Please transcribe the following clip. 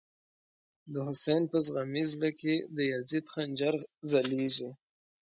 د «حسین» په زغمی زړه کی، د یزید خنجر ځلیږی